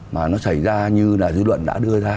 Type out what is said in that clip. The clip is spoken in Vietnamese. mà nó xảy ra như là dư luận đã đưa ra